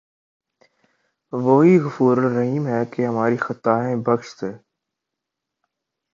وہی غفورالرحیم ہے کہ ہماری خطائیں بخش دے